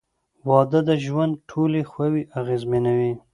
• واده د ژوند ټولې خواوې اغېزمنوي.